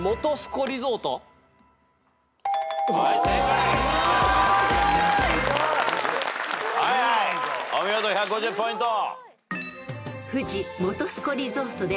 お見事１５０ポイント。